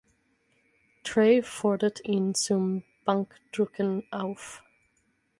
Trey fordert ihn zum Bankdrücken auf.